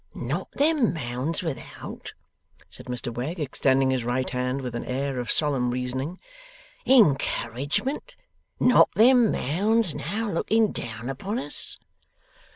'Not them Mounds without,' said Mr Wegg, extending his right hand with an air of solemn reasoning, 'encouragement? Not them Mounds now looking down upon us?